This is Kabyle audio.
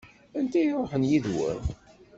Anta i iṛuḥen yid-wen?